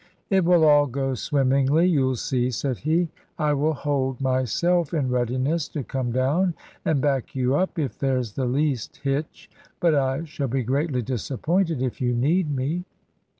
"It will all go swimmingly, you'll see," said he. "I will hold myself in readiness to come down and back you up if there's the least hitch, but I shall be greatly disappointed if you need me."